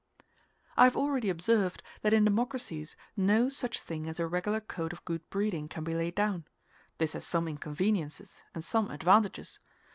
I have already observed that in democracies no such thing as a regular code of good breeding can be laid down; this has some inconveniences and some advantages.